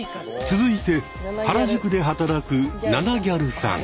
続いて原宿で働くナナぎゃるさん。